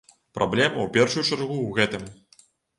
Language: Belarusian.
Праблема, у першую чаргу, у гэтым.